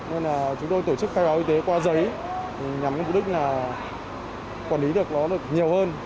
nên là chúng tôi tổ chức khai báo y tế qua giấy nhằm với mục đích là quản lý được nó được nhiều hơn